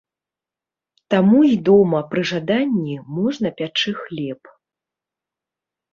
Таму і дома пры жаданні можна пячы хлеб.